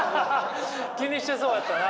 気にしてそうやったな。